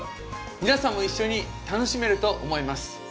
皆さんも一緒に楽しめると思います。